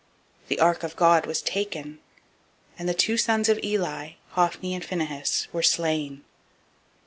004:011 The ark of God was taken; and the two sons of Eli, Hophni and Phinehas, were slain.